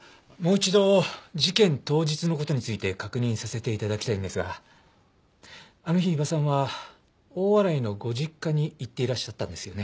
一度事件当日の事について確認させて頂きたいんですがあの日伊庭さんは大洗のご実家に行っていらっしゃったんですよね？